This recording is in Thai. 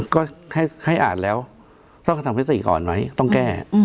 ก็ให้อ่านแล้วต้องกระทำพฤติก่อนไหมต้องแก้